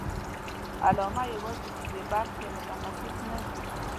علامه یوازې د یوې برخې متخصص نه وي.